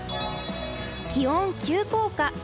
気温急降下。